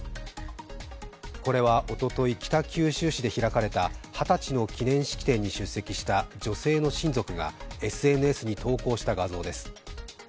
これはおととい、北九州市で開かれた二十歳の記念式典に出席した女性の親族がＳＮＳに投稿した画像です。